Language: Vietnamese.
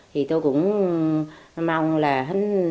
thì tôi cũng mong là hình